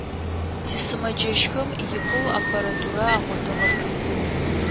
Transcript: Тисымэджэщхэм икъоу аппаратурэ агъотыгъэп.